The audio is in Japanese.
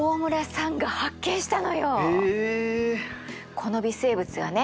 この微生物はね